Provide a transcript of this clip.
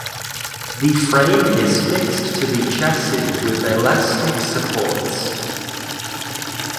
The frame is fixed to the chassis with elastic supports.